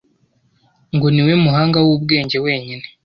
Ngo ni we muhanga w’ubwenge wenyine